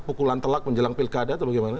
pukulan telak menjelang pilkada atau bagaimana